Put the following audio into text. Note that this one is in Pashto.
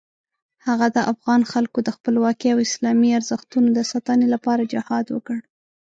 هغه د افغان خلکو د خپلواکۍ او اسلامي ارزښتونو د ساتنې لپاره جهاد وکړ.